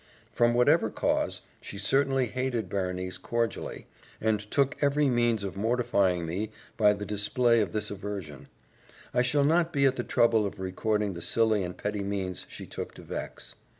From whatever cause, she certainly hated Berenice cordially, and took every means of mortifying me by the display of this aversion. I shall not be at the trouble of recording the silly and petty means she took to vex.